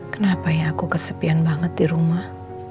kenapa ya aku kesepian banget di rumah